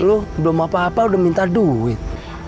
lo belum apa apa udah minta duit